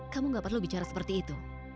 kamu gak perlu bicara seperti itu